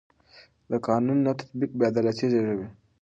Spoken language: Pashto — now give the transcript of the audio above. د قانون نه تطبیق بې عدالتي زېږوي